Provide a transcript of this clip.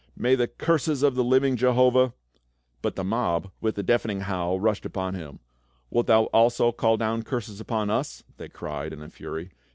" May the curses of the living Jehovah —" But the mob with a deafening howl rushed upon him. " Wilt thou also call down curses upon us?" they cried in a fury.